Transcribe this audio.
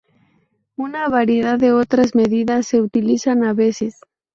Una variedad de otras medidas se utilizan a veces.